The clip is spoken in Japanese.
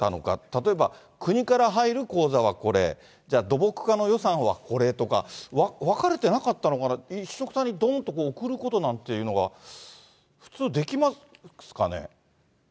例えば国から入る口座はこれ、じゃあ土木課の予算はこれとか、分かれてなかったのかな、一緒くたにどんと送ることなんていうのは、普通、できますかね？